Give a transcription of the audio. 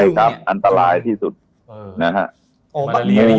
นี่คืออันตรายที่สุดในป่าเลยใช่ไหมครับท่านเรวัต